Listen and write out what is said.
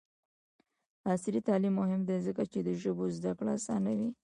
عصري تعلیم مهم دی ځکه چې د ژبو زدکړه اسانوي.